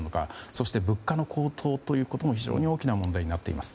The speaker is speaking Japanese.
そして物価の高騰ということも非常に大きな問題となっています。